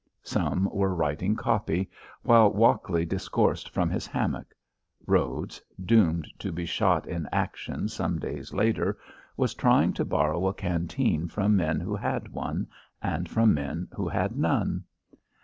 Some were writing copy, while Walkley discoursed from his hammock. Rhodes doomed to be shot in action some days later was trying to borrow a canteen from men who had one, and from men who had none.